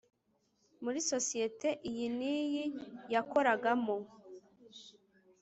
Muri sosiyete iyi n iyi yakoragamo